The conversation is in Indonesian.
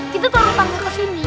kita taruh tangga ke sini